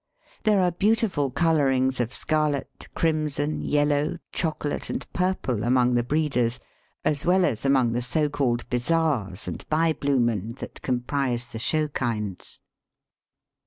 There are beautiful colourings of scarlet, crimson, yellow, chocolate, and purple among the "breeders," as well as among the so called bizarres and bybloemen that comprise the show kinds.